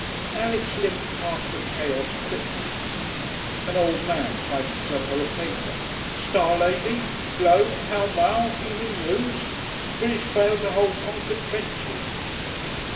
Alix limped past the chaos quickly. An old man tried to sell her a paper. 'Star, lady? Globe, Pall Mall, Evening News? British fail to hold conquered trenches....'